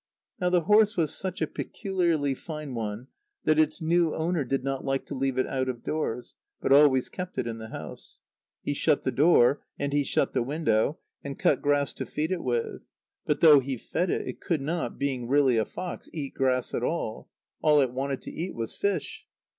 Now the horse was such a peculiarly fine one that its new owner did not like to leave it out of doors, but always kept it in the house. He shut the door, and he shut the window, and cut grass to feed it with. But though he fed it, it could not (being really a fox) eat grass at all. All it wanted to eat was fish.